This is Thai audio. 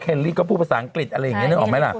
ลี่ก็พูดภาษาอังกฤษอะไรอย่างนี้นึกออกไหมล่ะ